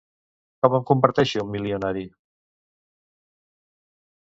Com em converteixo en milionari?